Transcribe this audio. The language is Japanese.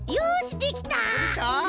できた？